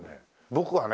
僕はね